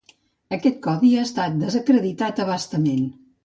Aquest codi ha estat desacreditat a bastament.